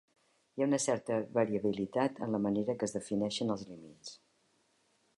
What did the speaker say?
Hi ha una certa variabilitat en la manera que es defineixen els límits.